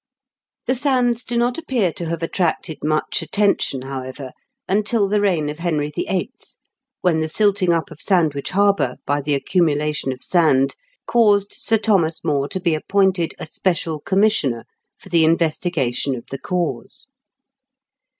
The sands do not appear to have attracted much attention, however, until the reign of Henry VIIL, when the silting up of Sandwich harbour by the accumulation of sand caused Sir Thomas More to be appointed a special commissioner for the investigation of the cause.